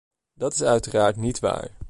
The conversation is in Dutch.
Dat is uiteraard niet waar.